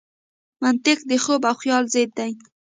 منطق د خوب او خیال ضد دی.